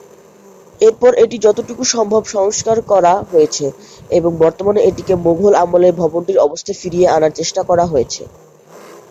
এরপর এটি যতটুকু সম্ভব সংস্কার করা হয়েছে, এবং বর্তমানে এটিকে মোঘল আমলে ভবনটির অবস্থায় ফিরিয়ে আনার চেষ্টা করা হয়েছে।